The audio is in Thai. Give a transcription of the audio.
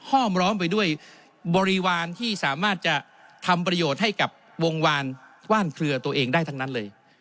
้อมล้อมไปด้วยบริวารที่สามารถจะทำประโยชน์ให้กับวงวานว่านเครือตัวเองได้ทั้งนั้นเลย